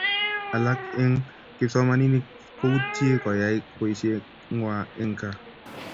alak eng kipsomanik ko utiye koyai poishengai eng kaa